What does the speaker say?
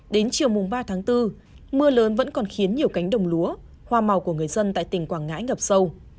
đến chiều mùng ba tháng bốn mưa lớn vẫn còn khiến nhiều cánh đồng lúa hoa màu của người dân tại tỉnh quảng ngãi ngập sâu